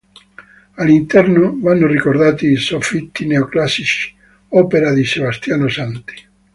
All'interno vanno ricordati i soffitti neoclassici, opera di Sebastiano Santi.